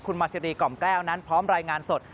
คุณมาซีรีกล่อมแก้วนั้นพร้อมรายงานสด